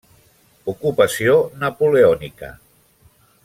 Ocupació napoleònica.